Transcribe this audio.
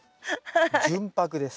純白です。